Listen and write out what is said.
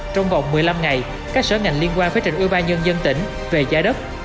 trong vòng một mươi năm ngày các sở ngành liên quan phế trình ubnd tỉnh về gia đất